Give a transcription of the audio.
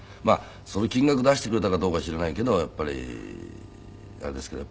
その金額出してくれたかどうか知らないけどやっぱりあれですけど。